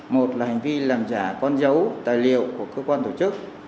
một là hành vi làm giả con dấu tài liệu của cơ quan tổ chức